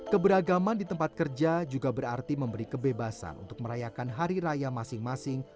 keberagaman di tempat kerja juga berarti memberi kebebasan untuk merayakan hari raya masing masing